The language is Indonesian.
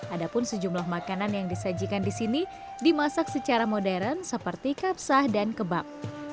ada pun sejumlah makanan yang disajikan di sini dimasak secara modern seperti kapsah dan kebab